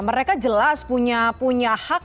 mereka jelas punya hak